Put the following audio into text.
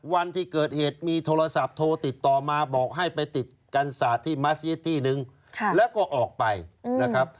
วันที่เกิดเหตุมีโทรศัพท์โทรติดต่อมาบอกให้ไปติดกันศาสตร์ที่มัสยิตที่นึงแล้วก็ออกไปนะครับ